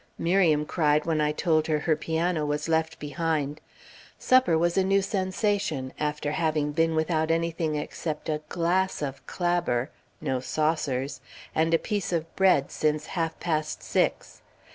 Miriam cried when I told her her piano was left behind. Supper was a new sensation, after having been without anything except a glass of clabber (no saucers) and a piece of bread since half past six.